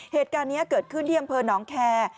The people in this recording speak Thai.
เหตุการณ์นี้เกิดขึ้นที่อำเภอหนองแคร์